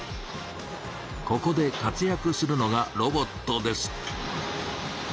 ここで活やくするのがロボットです。